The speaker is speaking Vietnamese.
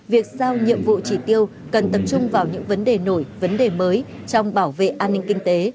việc sao nhiệm vụ chỉ tiêu cần tập trung vào những vấn đề nổi vấn đề mới trong bảo vệ an ninh kinh tế